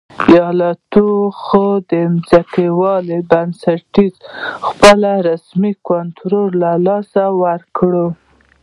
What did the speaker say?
د جنوبي ایالتونو ځمکوالو پر بنسټونو خپل رسمي کنټرول له لاسه ورکړ.